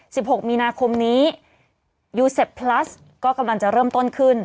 หกมีนาคมนี้ยูเซฟพลัสก็กำลังจะเริ่มต้นขึ้น